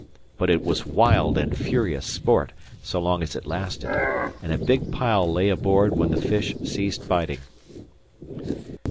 But it was wild and furious sport so long as it lasted; and a big pile lay aboard when the fish ceased biting.